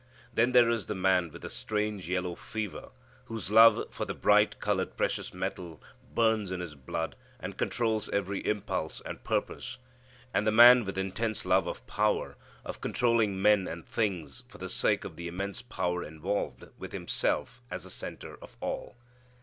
Then there is the man with the strange yellow fever, whose love for the bright colored precious metal burns in his blood and controls every impulse and purpose. And the man with intense love of power, of controlling men and things for the sake of the immense power involved, with himself as the centre of all.